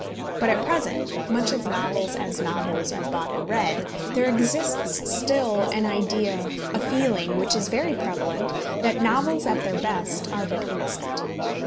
But at present, much as novels, as novels, are bought and read, there exists still an idea, a feeling which is very prevalent, that novels at their best are but innocent.